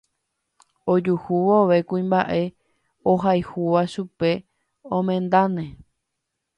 Ojuhu vove kuimba'e ohayhúva chupe omendáne.